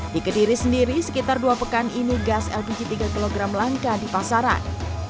di kediri sendiri sekitar dua pekan ini gas lpg tiga kg langka di pasaran